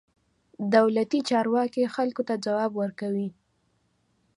دولتي چارواکي خلکو ته ځواب ورکوي.